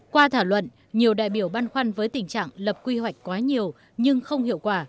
qua thảo luận nhiều đại biểu băn khoăn với tình trạng lập quy hoạch quá nhiều nhưng không hiệu quả